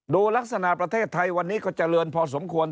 ดูลักษณะประเทศไทยวันนี้ก็เจริญพอสมควร